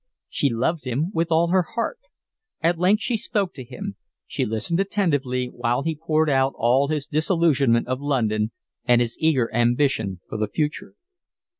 She loved him with all her heart. At length she spoke to him; she listened attentively while he poured out all his disillusionment of London and his eager ambition for the future.